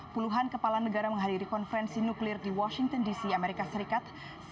puluhan kepala negara menghadiri konferensi nuklir di washington dc amerika serikat